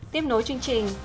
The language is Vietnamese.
tiếp nối chương trình